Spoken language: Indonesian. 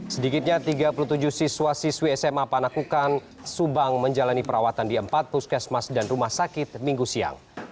sedikitnya tiga puluh tujuh siswa siswi sma panakukan subang menjalani perawatan di empat puskesmas dan rumah sakit minggu siang